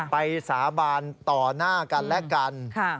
สาบานต่อหน้ากันและกัน